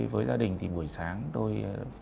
với gia đình thì buổi sáng tôi